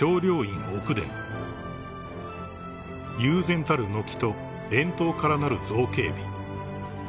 ［悠然たる軒と円筒からなる造形美］